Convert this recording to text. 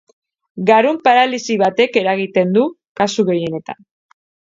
Garun paralisi batek eragiten du kasu gehienetan.